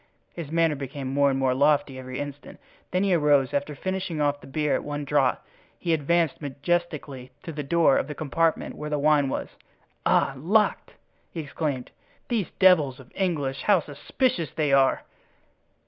His manner became more and more lofty every instant; then he arose and after finishing off the beer at one draught he advanced majestically to the door of the compartment where the wine was. "Ah! locked!" he exclaimed; "these devils of English, how suspicious they are!"